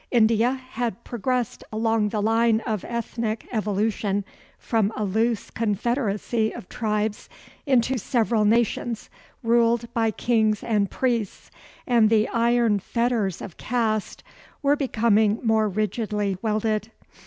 India had progressed along the line of ethnic evolution from a loose confederacy of tribes into several nations, ruled by kings and priests, and the iron fetters of caste were becoming more rigidly welded.